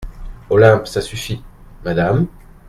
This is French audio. Olympe Ça suffit, Madame …